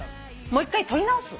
もう１回とり直す？